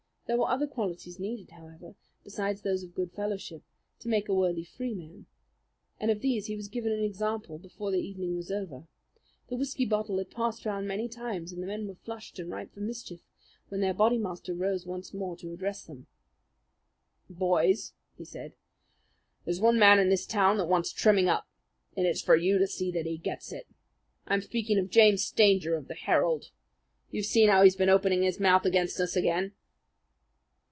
There were other qualities needed, however, besides those of good fellowship, to make a worthy Freeman, and of these he was given an example before the evening was over. The whisky bottle had passed round many times, and the men were flushed and ripe for mischief when their Bodymaster rose once more to address them. "Boys," said he, "there's one man in this town that wants trimming up, and it's for you to see that he gets it. I'm speaking of James Stanger of the Herald. You've seen how he's been opening his mouth against us again?"